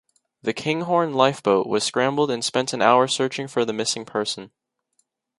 The Kinghorn lifeboat was scrambled and spent an hour searching for the missing person.